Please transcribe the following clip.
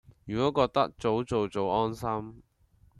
如果覺得早做早安心